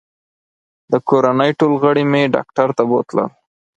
د کورنۍ ټول غړي مې ډاکټر ته بوتلل